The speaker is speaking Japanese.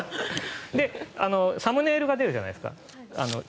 サムネイルが小さく出るじゃないですか。